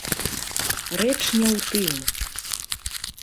Рэч не ў тым.